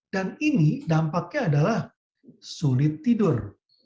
dan ini dampaknya adalah sulit tidur